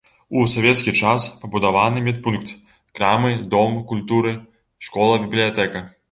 У савецкі час пабудаваны медпункт, крамы, дом культуры, школа, бібліятэка.